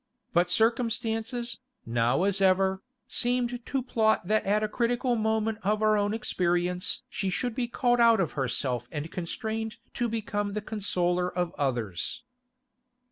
But circumstances, now as ever, seemed to plot that at a critical moment of her own experience she should be called out of herself and constrained to become the consoler of others.